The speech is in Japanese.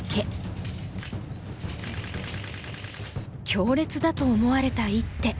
強烈だと思われた一手。